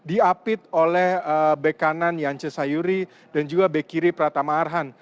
diapit oleh back kanan yance sayuri dan juga back kiri pratama arhan